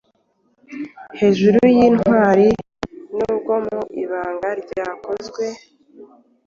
Hejuru yIntwari, nubwo mu ibanga ryakozwe,